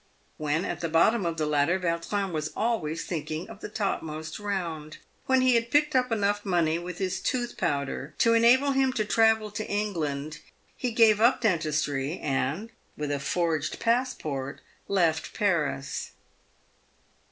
When at the bottom of the ladder, Vau trin was always thinking of the topmost round. When he had picked PAYED WITH GOLD. 339 up enough money with his tooth powder to enable him to travel to England, he gave up dentistry, and, with a forged passport, left Paris.